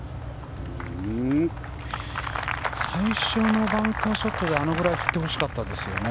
最初のバンカーショットであのぐらい振ってほしかったですよね。